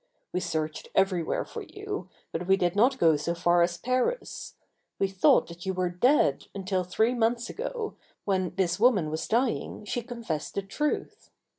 We searched everywhere for you but we did not go so far as Paris. We thought that you were dead until three months ago when this woman was dying she confessed the truth.